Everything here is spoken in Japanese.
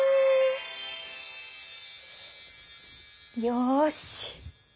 よし！